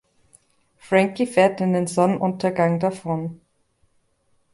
Frankie fährt in den Sonnenuntergang davon.